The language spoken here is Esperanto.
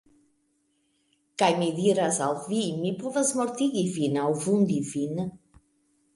Kaj mi diras al vi, mi povas mortigi vin aŭ vundi vin!